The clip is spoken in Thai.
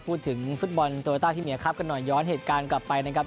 พูดถึงฟุตบอลโตโยต้าที่เมียครับกันหน่อยย้อนเหตุการณ์กลับไปนะครับ